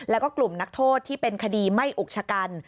แล้วก็กลุ่มนักโทษที่เป็นคดีไม่อุกชะกัน